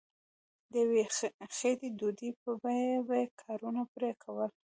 د یوې خیټې ډوډۍ په بیه به یې کارونه پرې کول.